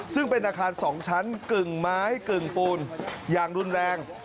ซึ่งเป็นอาคาร๒ชั้นกึ่งไม้กึ่งปูนอย่างรุนแรง